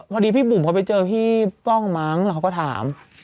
พี่บุ๋มเขาไปเจอพี่ป้องมั้งแล้วเขาก็ถาม